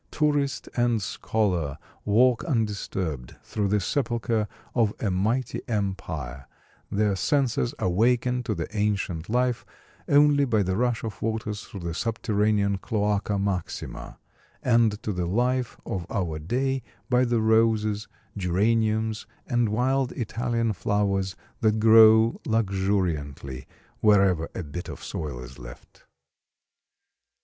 Tourist and scholar walk undisturbed through this sepulcher of a mighty empire, their senses awakened to the ancient life only by the rush of waters through the subterranean Cloaca Maxima, and to the life of our day by the roses, geraniums, and wild Italian flowers that grow luxuriantly wherever a bit of soil is left.